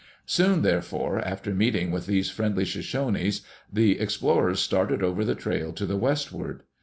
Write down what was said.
Soon, therefore, after meeting with these friendly Shoshones the explorers started over the trail to the westward.